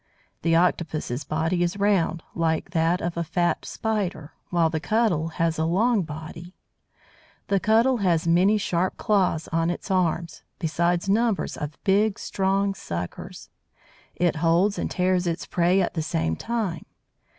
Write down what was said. The Octopus's body is round, like that of a fat spider, while the Cuttle has a long body. The Cuttle has many sharp claws on its arms, besides numbers of big, strong suckers. It holds and tears its prey at the same time.